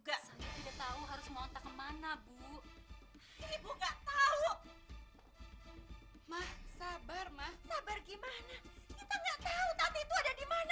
mah sabar mah sabar gimana kita gak tahu tati itu ada di mana